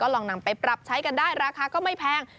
ลองนำไปปรับใช้กันได้ราคาก็ไม่แพง